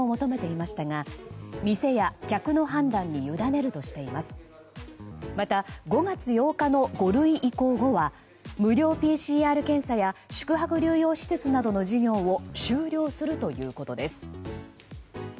また５月８日の５類移行後は無料ＰＣＲ検査や宿泊療養施設などの事業を終了するということです。